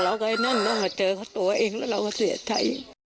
แล้วก็เจอเขาตัวเองแล้วเราก็เสียใจ